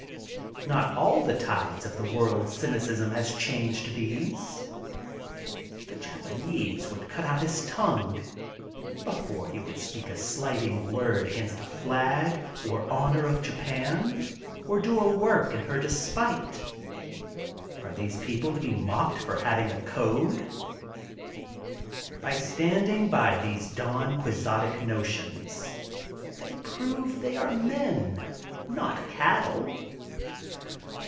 Not all the tides of the world cynicism has changed these. The Japanese would cut out his tongue before he would speak a slighting word against the flag or honor of Japan or do a work in her despite. Are these people to be mocked for having a code? By standing by those Don Quixotic notions they prove they are men, not cattle.